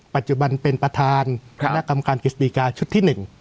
ปัจจุบันเป็นประธานคณะกรรมการกฤษฎีกาชุดที่๑